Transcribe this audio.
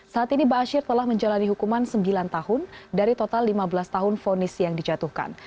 saat ini ba'asyir telah menjalani hukuman sembilan tahun dari total lima belas tahun fonisi yang dijatuhkan